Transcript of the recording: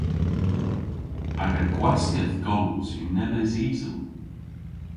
Aga gwaskedh goos yw nebes isel.